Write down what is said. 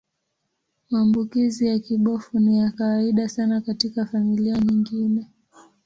Maambukizi ya kibofu ni ya kawaida sana katika familia nyingine.